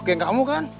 geng kamu kan